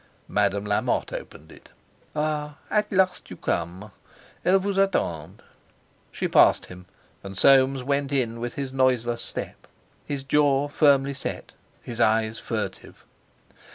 Madame Lamotte opened it. "Ah! At last you come! Elle vous attend!" She passed him, and Soames went in with his noiseless step, his jaw firmly set, his eyes furtive.